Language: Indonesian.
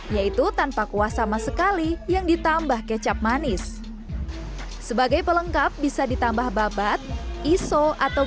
yaitu tanpa kuah sama sekali yang ditambah kecap manis sebagai pelengkap bisa ditambah babat iso atau